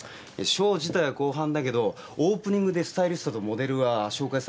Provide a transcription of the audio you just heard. ショー自体は後半だけどオープニングでスタイリストとモデルは紹介されるんだよ。